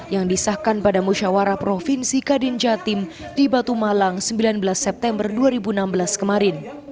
yang disahkan pada musyawarah provinsi kadin jatim di batu malang sembilan belas september dua ribu enam belas kemarin